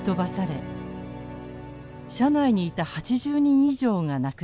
車内にいた８０人以上が亡くなりました。